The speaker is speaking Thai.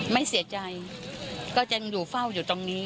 ไม่เสียใจก็ยังอยู่เฝ้าอยู่ตรงนี้